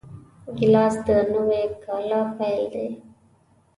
ګیلاس د نوي کاله پیل دی.